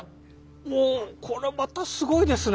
おこれまたすごいですね。